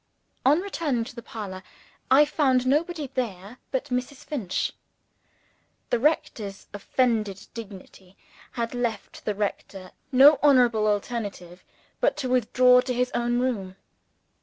On returning to the parlor, I found nobody there but Mrs. Finch. The rector's offended dignity had left the rector no honorable alternative but to withdraw to his own room.